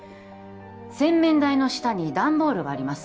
洗面台の下にダンボールがあります